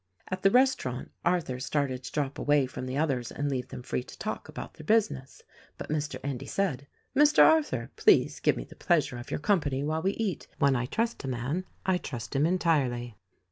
84 THE RECORDING ANGEL At the restaurant Arthur started to drop away from the others and leave them free to talk about their business; but Mr. Endy said, "Mr. Arthur, please give me the pleasure of your company while we eat — when I trust a man I trust him entirely."